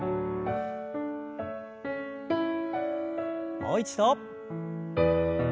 もう一度。